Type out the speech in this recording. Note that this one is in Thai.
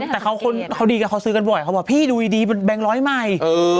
แต่เขาดีกับเขาซื้อกันบ่อยเขาบอกพี่ดูดีเป็นแบงค์ร้อยใหม่